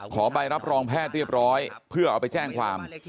ใบรับรองแพทย์เรียบร้อยเพื่อเอาไปแจ้งความ